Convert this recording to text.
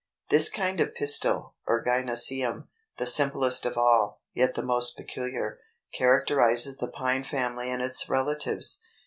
This kind of pistil, or gynœcium, the simplest of all, yet the most peculiar, characterizes the Pine family and its relatives.